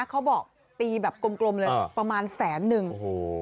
เขาบอกตีแบบกลมเลยประมาณแสนนึงโอ้โห